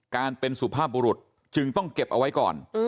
การเป็นสุภาพบุรุษจึงต้องเก็บเอาไว้ก่อน